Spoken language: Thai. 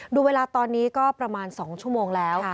ดูเวลาตอนนี้ก็ประมาณ๒ชั่วโมงแล้ว